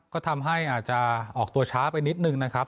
ก็ทำให้อาจจะออกตัวช้าไปนิดนึงนะครับ